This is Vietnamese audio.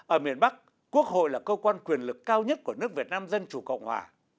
ở miền bắc quốc hội là cơ quan quyền lực cao nhất của nước việt nam dân chủ cộng hòa